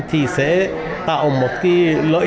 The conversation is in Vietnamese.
thì sẽ tạo một cái lợi